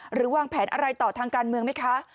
วางแผนอะไรต่อทางการเมืองไหมคะ